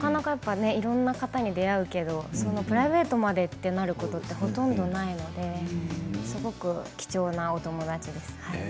いろんな方に出会うけどプライベートまでとなることはほとんどないのですごく貴重なお友達です。